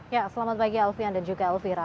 ya selamat pagi alfian dan juga elvira